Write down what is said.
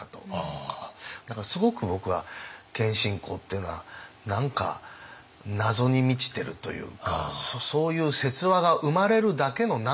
すごく僕は謙信公っていうのは何か謎に満ちてるというかそういう説話が生まれるだけの何かがあるんじゃないか。